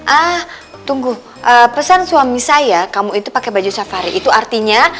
ah tunggu pesan suami saya kamu itu pakai baju safari itu artinya